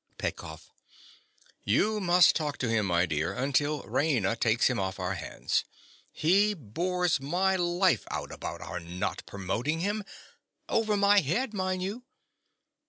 _) PETKOFF. You must talk to him, my dear, until Raina takes him off our hands. He bores my life out about our not promoting him—over my head, mind you.